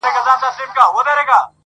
پاچهي یې د مرغانو مسخره سوه؛